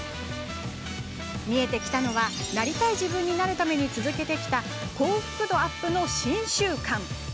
見えてきたのは、なりたい自分になるために続けてきた幸福度アップの新習慣。